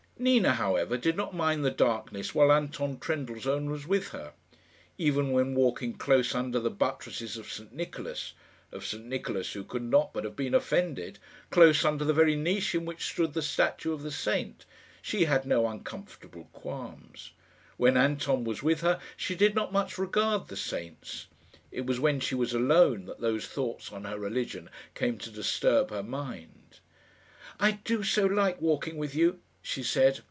Nina, however, did not mind the darkness while Anton Trendellsohn was with her. Even when walking close under the buttresses of St Nicholas of St Nicholas, who could not but have been offended close under the very niche in which stood the statue of the saint she had no uncomfortable qualms. When Anton was with her she did not much regard the saints. It was when she was alone that those thoughts on her religion came to disturb her mind. "I do so like walking with you," she said.